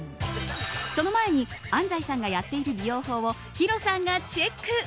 その前に安西さんがやっている美容法をヒロさんがチェック。